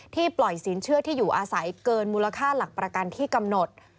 ปล่อยสินเชื่อที่อยู่อาศัยเกินมูลค่าหลักประกันที่กำหนด